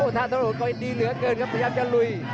ถ้าโดนไปดีเหนือเกินครับพยายามจะลุย